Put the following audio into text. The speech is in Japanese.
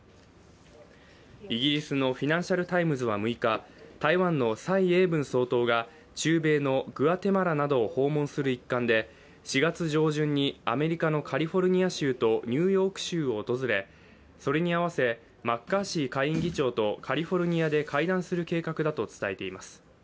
イギリスの「フィナンシャル・タイムズ」は６日台湾の蔡英文総統が中米のグアテマラなどを訪問する一環で４月上旬にアメリカのカリフォルニア州とニューヨーク州を訪れそれに合わせ、マッカーシー下院議長とカリフォルニアで会談する計画だと伝えています。